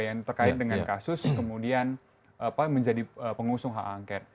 yang terkait dengan kasus kemudian menjadi pengusung hak angket